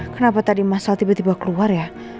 kenapa tadi masalah tiba tiba keluar ya